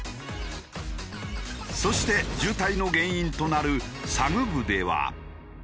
そして渋滞の原因となるサグ部では。